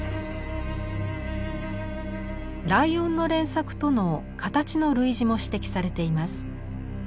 ライオンの連作との形の類似も指摘されています。